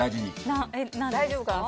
大丈夫かな。